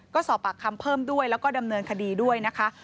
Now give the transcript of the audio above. ก็สอบปากคำเพิ่มด้วยแล้วก็ดำเนินคดีด้วยนะคะ